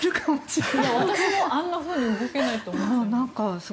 私もあんなふうに動けないと思います。